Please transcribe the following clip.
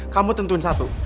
kamu tentuin satu